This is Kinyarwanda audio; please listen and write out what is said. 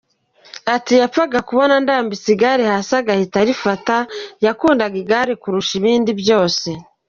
Ati “Yapfaga kubona ndambitse igare hasi agahita arifata, yakundaga igare ku rusha ibindi byose.